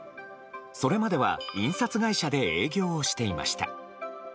それまでは印刷会社で営業をしていました。